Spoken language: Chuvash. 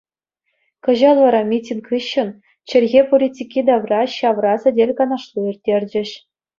Кӑҫал вара митинг хыҫҫӑн чӗлхе политики тавра ҫавра сӗтел-канашлу ирттерчӗҫ.